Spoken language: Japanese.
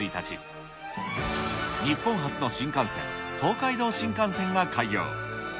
日本初の新幹線、東海道新幹線が開業。